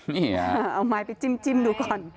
นี่ฮะเอาไม้ไปจิ้มดูก่อน